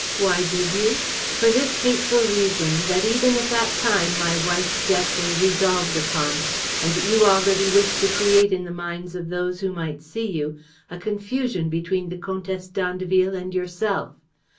Why did you? For this hateful reason that, even at that time, my wife's death was resolved upon and that you already wished to create in the minds of those who might see you a confusion between the Comtesse d'Andeville and yourself.